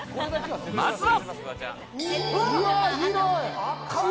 まずは。